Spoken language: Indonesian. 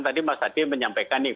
tadi mas hadi menyampaikan nih